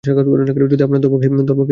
যদি আপনার ধর্মকে কেউ ভাঙে তো?